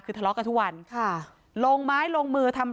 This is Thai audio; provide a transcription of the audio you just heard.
ไปโบกรถจักรยานยนต์ของชาวอายุขวบกว่าเองนะคะ